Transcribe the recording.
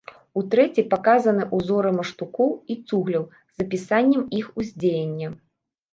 У трэцяй паказаны ўзоры муштукоў і цугляў з апісаннем іх уздзеяння.